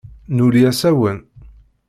Nuli asawen.